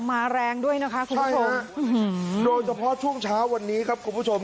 แรงด้วยนะคะคุณผู้ชมโดยเฉพาะช่วงเช้าวันนี้ครับคุณผู้ชม